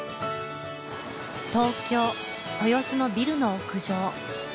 東京・豊洲のビルの屋上